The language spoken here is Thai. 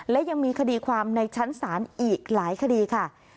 และยังมีคดีความในชั้นศาลอีกหลายคดีค่ะ